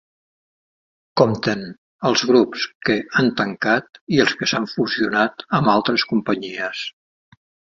Compten els grups que han tancat i els que s'han fusionat amb altres companyies.